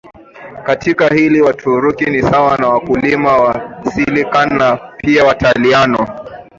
Katika hili Waturuki ni sawa na wakulima wa Sicilian pia Waitaliano